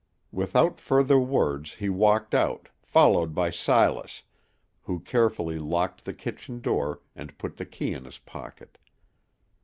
Without further words he walked out, followed by Silas, who carefully locked the kitchen door and put the key in his pocket.